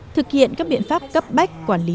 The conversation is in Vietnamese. thực hiện các biện pháp cấp bách quản lý